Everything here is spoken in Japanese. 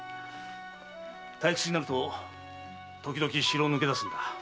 退屈になるとときどき城を抜け出すんだ。